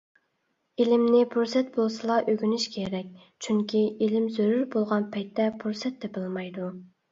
ئىلىمنى پۇرسەت بولسىلا ئۆگىنىش كېرەك، چۈنكى ئىلىم زۆرۈر بولغان پەيتتە پۇرسەت تېپىلمايدۇ.